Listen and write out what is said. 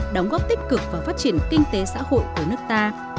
đóng góp tích cực vào phát triển kinh tế xã hội của nước ta